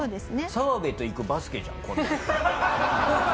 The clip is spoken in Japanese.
澤部と行くバスケじゃん